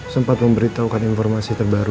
sempat memberitahukan informasi terbaru